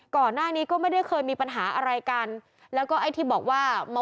ก่อนหน้านี้ก็ไม่ได้เคยมีปัญหาอะไรกันแล้วก็ไอ้ที่บอกว่ามา